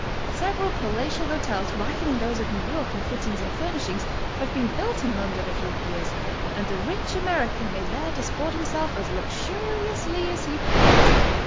Several palatial hotels rivalling those of New York in fittings and furnishings have been built in London of late years, and the rich American may there dis port himself as luxuriously as he pleases.